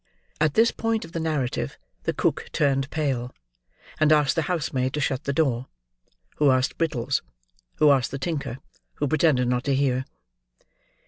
At this point of the narrative the cook turned pale, and asked the housemaid to shut the door: who asked Brittles, who asked the tinker, who pretended not to hear.